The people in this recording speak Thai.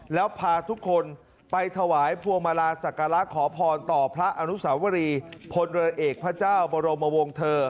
แล้วพาทุกคนไปถวายพวงมาลาศักระขอพรต่อพระอนุสาวรีพลเรือเอกพระเจ้าบรมวงเธอ